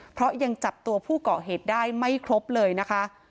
เพราะยังจับตัวผู้เกาะเหตุได้ไม่ครบเลยนะคะ